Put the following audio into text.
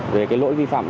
về cái lỗi vi phạm